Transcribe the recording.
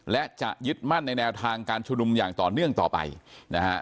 และจะยึดมั่นในแนวทางการชุมนุมอย่างต่อเนื่องต่อไปนะฮะ